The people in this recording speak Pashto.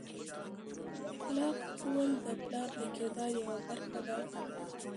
اخلاق ښوول د پلار د کردار یوه برخه ده.